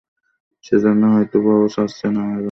সেজন্যই হয়তোবা ও চাচ্ছে না আর বাচ্চা নিতে।